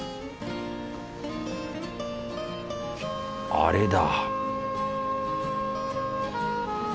あれだ